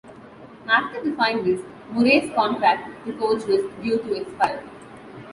After the Finals, Murray's contract to coach was due to expire.